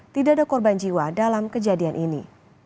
tidak ada korban jiwa dalam kejadian ini